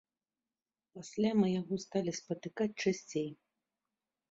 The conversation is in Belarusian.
Пасля мы яго сталі спатыкаць часцей.